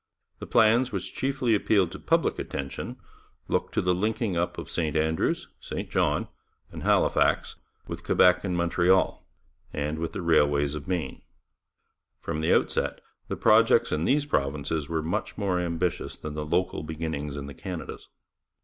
The plans which chiefly appealed to public attention looked to the linking up of St Andrews, St John, and Halifax with Quebec and Montreal and with the railways of Maine. From the outset the projects in these provinces were much more ambitious than the local beginnings in the Canadas.